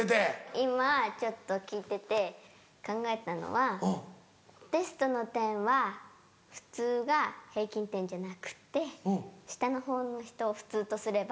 今ちょっと聞いてて考えたのはテストの点は普通が平均点じゃなくて下のほうの人を普通とすれば。